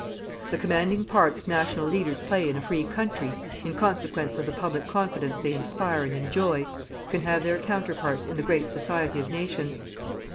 The commanding parts national leaders play in a free country, in consequence of the public confidence they inspire and enjoy, can have their counterparts in the great society of nations.